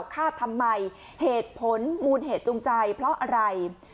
ฆ่าทำไมเหตุผลมูลเหตุจูงใจเพราะอะไร